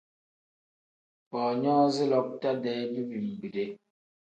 Boonyoozi lakuta-dee dibimbide.